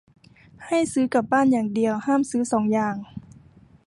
ให้ซื้อกลับบ้านอย่างเดียว ห้ามซื้อสองอย่าง